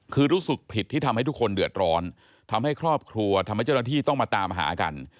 คือรู้สึกผิดที่ทำให้ทุกคนเดือดร้อนทำให้ครอบครัวทำให้เจ้าหน้าที่ต้องมาตามหากัน